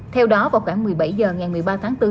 theo đó vào cảng một mươi bảy h một mươi ba tháng bốn